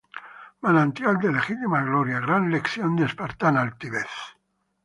manantial de legítima gloria, gran lección de espartana altivez.